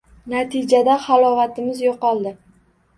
Natijada halovatimiz yo‘qoldi.